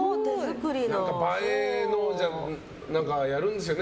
映えの、やるんですよね。